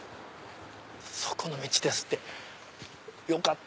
そこの道ですってよかった！